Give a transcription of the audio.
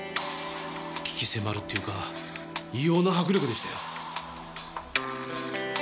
鬼気迫るっていうか異様な迫力でしたよ。